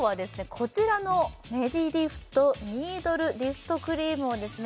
こちらのメディリフトニードルリフトクリームをですね